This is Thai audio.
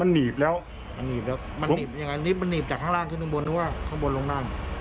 อันนี้ของนายขนล่างขึ้นบนหรือลงด้าน